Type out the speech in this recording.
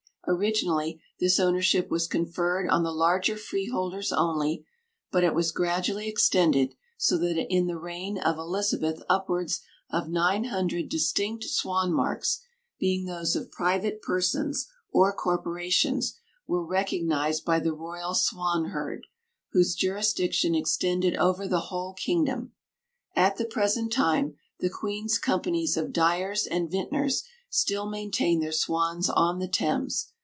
Originally this ownership was conferred on the larger freeholders only, but it was gradually extended, so that in the reign of Elizabeth upwards of nine hundred distinct swan marks, being those of private persons or corporations, were recognized by the royal swanherd, whose jurisdiction extended over the whole kingdom. At the present time the Queen's companies of Dyers and Vintners still maintain their swans on the Thames.